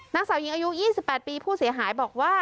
นางสาวหญิงอายุ๒๘ปีผู้เสียหายบอกว่า